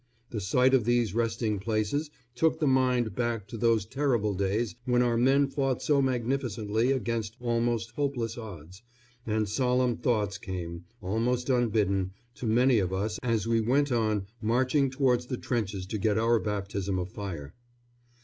The sight of these resting places took the mind back to those terrible days when our men fought so magnificently against almost hopeless odds, and solemn thoughts came, almost unbidden, to many of us as we went on marching towards the trenches to get our baptism of fire.